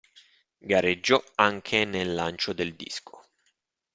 Gareggiò anche nel lancio del disco.